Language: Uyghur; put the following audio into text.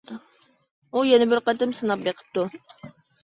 ئۇ يەنە بىر قېتىم سىناپ بېقىپتۇ.